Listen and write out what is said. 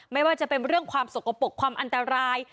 ไม่ว่าจะเป็นเรื่องความสกปรกความอันตราย